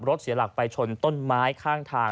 เสียหลักไปชนต้นไม้ข้างทาง